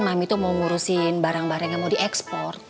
mami tuh mau ngurusin barang barang yang mau diekspor